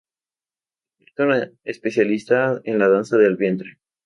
Es una especialista en la danza del vientre.